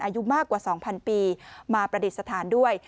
อายุมากกว่า๒๐๐ปีมาประดิษฐานด้วย